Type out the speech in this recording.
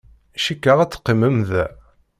Cikkeɣ ad teqqimem da.